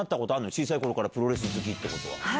小さいころからプロレス好きっていうことは。